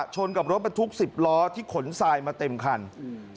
ชนกับรถประทุกสิบล้อที่ขนสายมาเตมคันอืม